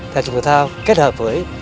thể dục thể thao kết hợp với